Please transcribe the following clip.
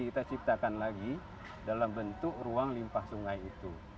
kita ciptakan lagi dalam bentuk ruang limpah sungai itu